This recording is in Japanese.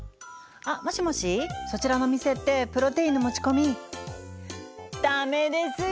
あもしもしそちらの店ってプロテインの持ち込み駄目ですよね。